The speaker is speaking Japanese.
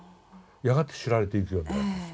やがて知られていくようになります。